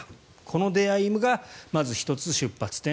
この出会いがまず１つ、出発点。